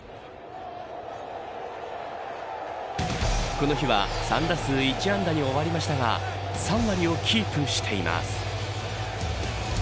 この日は３打数１安打に終わりましたが３割をキープしています。